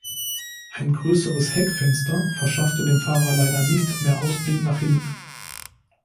Ein größeres Heckfenster verschaffte dem Fahrer leider nicht mehr Ausblick nach hinten.